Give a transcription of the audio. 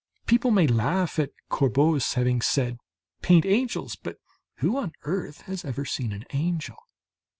People may laugh at Courbet's having said: "Paint angels? But who on earth has ever seen an angel?"